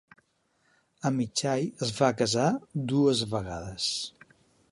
Amichai es va casar dues vegades.